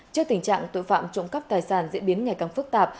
trước tình trạng tội phạm trộm cắp tài sản diễn biến ngày càng phức tạp